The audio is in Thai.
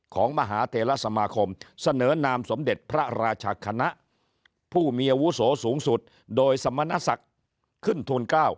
ของมหาเทรสมาคมเสนอนามสมเด็จพระราชคณะผู้มีอาวุโสสูงสุดโดยสมณศักดิ์ขึ้นทูล๙